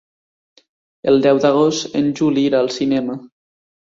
El deu d'agost en Juli irà al cinema.